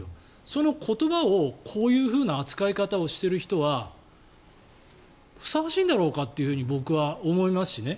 その言葉をこういうふうな扱い方をする人はふさわしいんだろうかと僕は思いますしね。